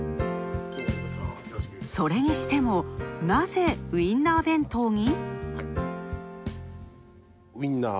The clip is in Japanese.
それにしても、ナゼ、ウインナー弁当に？